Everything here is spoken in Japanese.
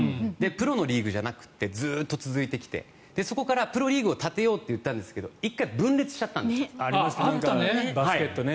プロのリーグじゃなくてずっと続いてきてそこからプロリーグを立てようといったんですけどありましたねバスケットね。